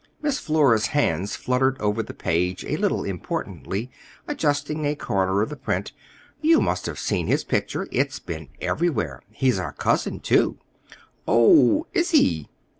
Miss Flora's hands fluttered over the page a little importantly, adjusting a corner of the print. "You must have seen his picture. It's been everywhere. He's our cousin, too." "Oh, is he?"